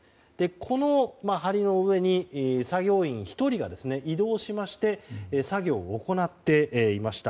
この梁の上に作業員１人が移動しまして作業を行っていました。